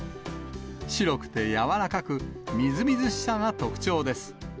白くてやわらかく、みずみずしさが特徴です。